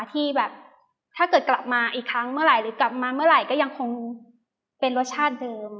ที่แบบถ้าเกิดกลับมาอีกครั้งเมื่อไหร่หรือกลับมาเมื่อไหร่ก็ยังคงเป็นรสชาติเดิม